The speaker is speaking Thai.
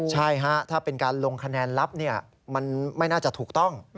ใช่ฮะถ้าเป็นการลงคะแนนลับมันไม่น่าจะถูกต้อง